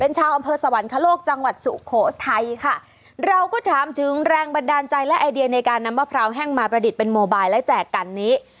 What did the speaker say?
ชาวอำเภอสวรรคโลกจังหวัดสุโขทัยค่ะเราก็ถามถึงแรงบันดาลใจและไอเดียในการนำมะพร้าวแห้งมาประดิษฐ์เป็นโมบายและแจกกันนี้